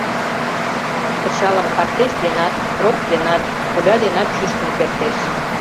Пычалым картечь денат, дробь денат, пуля денат шӱшкын кертеш.